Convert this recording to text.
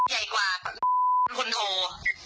ใหญ่กว่าคนโท